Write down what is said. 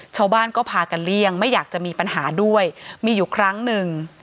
ชาวบ้านก็พากันเลี่ยงไม่อยากจะมีปัญหาด้วยมีอยู่ครั้งหนึ่ง